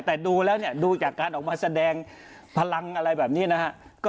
แต่ดูแล้วเนี่ยดูจากการออกมาแสดงพลังอะไรแบบนี้นะฮะ